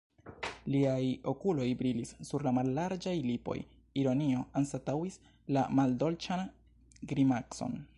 Liaj okuloj brilis, sur la mallarĝaj lipoj ironio anstataŭis la maldolĉan grimacon.